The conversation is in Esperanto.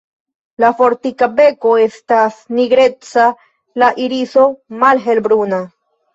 La fortika beko estas nigreca, la iriso malhelbruna.